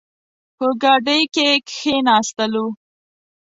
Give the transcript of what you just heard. په ګاډۍ کې کښېناستلو.